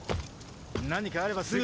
何かあればすぐ。